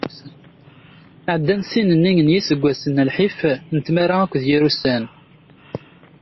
Ɛeddan ssin-nni n iseggasen n lḥif, n tmara akked yir ussan.